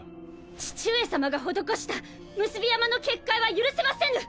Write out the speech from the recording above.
父上さまが施した産霊山の結界は許せませぬ！